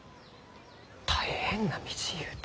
「大変な道」ゆうて。